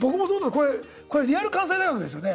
これこれリアル関西大学ですよね？